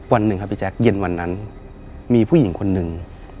วันหนึ่งครับพี่แจ๊คเย็นวันนั้นมีผู้หญิงคนหนึ่ง